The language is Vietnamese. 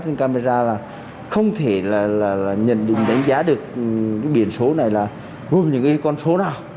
trên camera là không thể là nhận định đánh giá được cái biển số này là gồm những con số nào